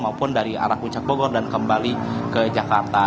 maupun dari arah puncak bogor dan kembali ke jakarta